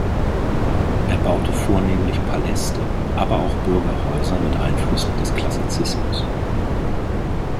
Er baute vornehmlich Paläste aber auch Bürgerhäuser mit Einflüssen des Klassizismus.